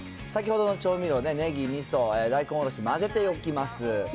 先ほどの調味料でネギ、みそ、大根おろし、混ぜておきます。